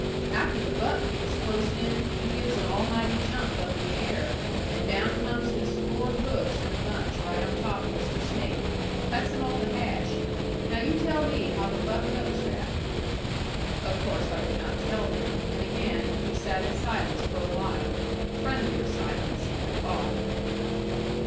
"After the buck gets close in, he gives an almighty jump up in the air, and down comes his four hoofs in a bunch right on top of Mr. Snake. Cuts him all to hash. Now you tell me how the buck knows that." Of course I could not tell him. And again we sat in silence for a while friendlier silence, I thought.